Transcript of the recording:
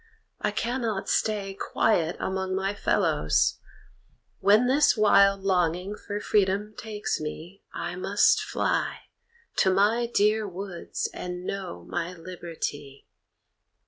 I cannot stay Quiet among my fellows; when this wild Longing for freedom takes me I must fly To my dear woods and know my liberty.